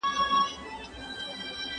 د ده جملې لنډې خو ډېرې ماناګانې لري.